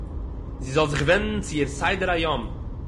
זי זאָל זיך ווענדן צו איר סדר היום